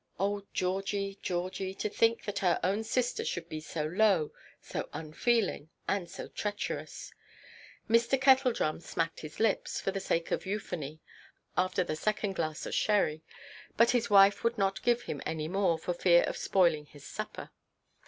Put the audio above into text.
Oh, Georgie, Georgie! To think that her own sister should be so low, so unfeeling, and treacherous! Mr. Kettledrum smacked his lips, for the sake of euphony, after the second glass of sherry; but his wife would not give him any more, for fear of spoiling his supper.